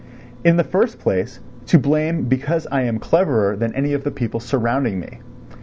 In the first place, to blame because I am cleverer than any of the people surrounding me.